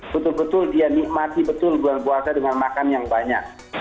betul betul dia nikmati betul bulan puasa dengan makan yang banyak